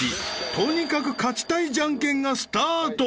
［とにかく勝ちたいじゃんけんがスタート］